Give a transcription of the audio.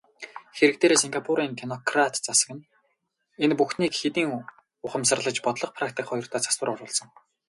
Хэрэг дээрээ Сингапурын технократ засаг энэ бүхнийг хэдийн ухамсарлаж бодлого, практик хоёртоо засвар оруулсан.